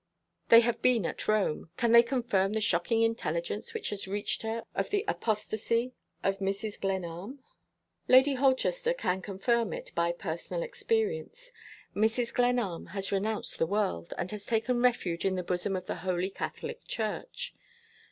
They have been at Rome. Can they confirm the shocking intelligence which has reached her of the "apostasy" of Mrs. Glenarm? Lady Holchester can confirm it, by personal experience. Mrs. Glenarm has renounced the world, and has taken refuge in the bosom of the Holy Catholic Church.